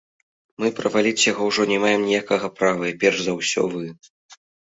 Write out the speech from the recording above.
Мы праваліць яго ўжо не маем ніякага права і перш за ўсё вы.